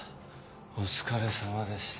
お疲れさまでした。